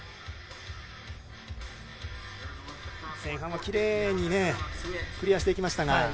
前半はきれいにクリアしていきましたが。